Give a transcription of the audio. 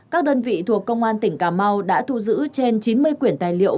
các đơn vị thuộc công an tỉnh cà mau đã thu giữ trên chín mươi quyển tài liệu